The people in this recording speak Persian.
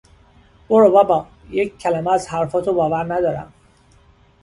برو بابا! یک کلمه از حرفهاتو باور ندارم!